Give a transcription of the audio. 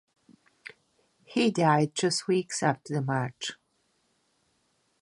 He died just weeks after the match.